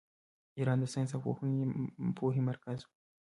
ایران د ساینس او پوهې مرکز و.